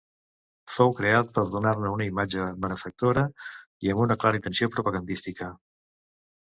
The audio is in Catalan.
Fou creat per donar-ne una imatge benefactora i amb una clara intenció propagandística.